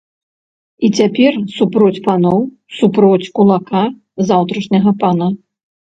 І цяпер супроць паноў, супроць кулака, заўтрашняга пана.